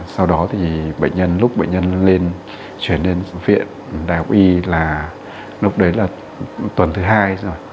sau đó thì lúc bệnh nhân chuyển đến viện đại học y là lúc đấy là tuần thứ hai rồi